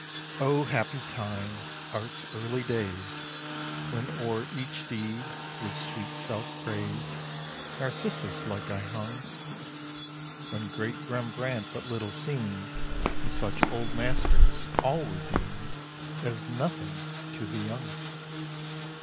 Oh happy time! Art's early days! When o'er each deed, with sweet self praise, Narcissus like I hung! When great Rembrandt but little seemed, And such Old Masters all were deemed As nothing to the young!